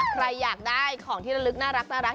ใครอยากได้ของที่ระลึกน่ารัก